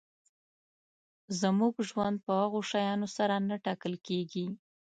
زموږ ژوند په هغو شیانو سره نه ټاکل کېږي.